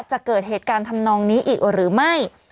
จะเกิดเหตุการณ์ทำนองนี้อีกหรือไม่